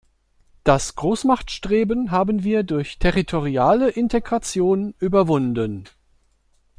Das Großmachtstreben haben wir durch territoriale Integration überwunden.